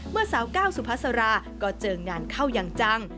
เมื่อสาวก้าวสุภาษาราก็เจองานเข้าอย่างจัง